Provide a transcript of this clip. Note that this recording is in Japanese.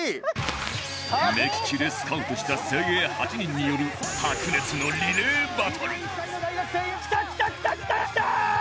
目利きでスカウトした精鋭８人による白熱のリレーバトルきたきたきたきたきた！